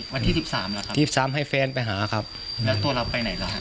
วันที่สิบสามล่ะครับสิบสามให้แฟนไปหาครับแล้วตัวเราไปไหนล่ะ